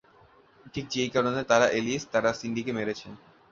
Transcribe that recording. ঠিক যেই কারণে তারা এলিস, আর সিন্ডিকে মেরেছে।